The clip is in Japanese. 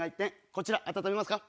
こちら温めますか？